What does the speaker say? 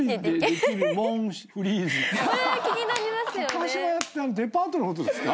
高島屋ってデパートのことですか？